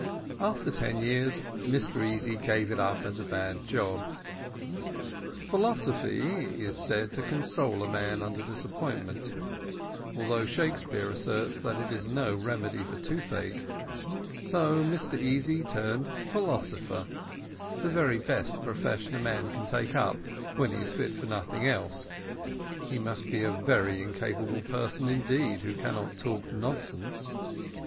After ten years, Mr Easy gave it up as a bad job. Philosophy is said to console a man under disappointment, although Shakespeare asserts that it is no remedy for toothache; so Mr Easy turned philosopher, the very best profession a man can take up, when he is fit for nothing else; he must be a very incapable person indeed who cannot talk nonsense.